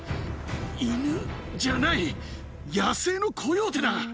犬？じゃない、野生のコヨーテだ。